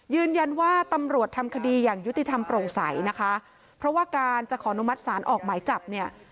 ยืนยันว่าตำรวจทำคดีอย่างยุติธรรมโปร่งใสนะคะเพราะว่าการจะขออนุมัติศาลออกหมายจับเนี่ย